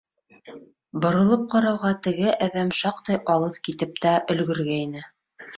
Боролоп ҡарауға, теге әҙәм шаҡтай алыҫ китеп тә өлгөргәйне.